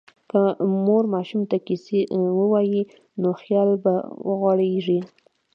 که مور ماشوم ته کیسه ووایي، نو خیال به وغوړېږي.